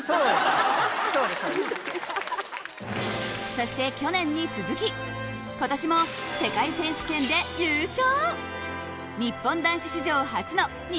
そして去年に続き今年も世界選手権で優勝！